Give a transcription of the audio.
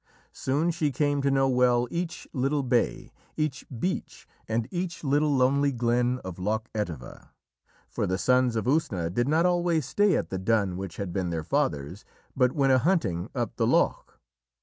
Soon she came to know well each little bay, each beach, and each little lonely glen of Loch Etive, for the Sons of Usna did not always stay at the dun which had been their father's, but went a hunting up the loch.